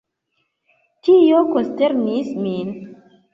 Tio konsternis min.